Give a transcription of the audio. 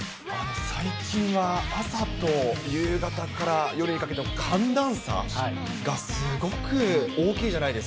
最近は朝と夕方から夜にかけて寒暖差がすごく大きいじゃないです